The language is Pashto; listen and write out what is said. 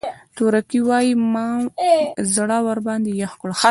تورکى وايي مام زړه ورباندې يخ کړ.